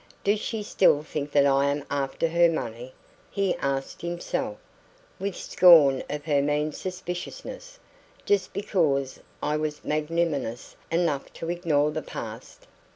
"Does she still think that I am after her money?" he asked himself, with scorn of her mean suspiciousness. "Just because I was magnanimous enough to ignore the past!"